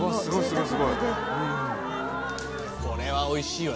これはおいしいわ